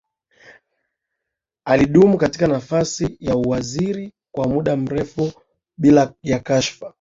Alidumu katika nafasi ya uwaziri kwa muda mrefu bila ya kashfa